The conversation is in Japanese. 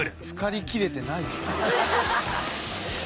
漬かりきれてない。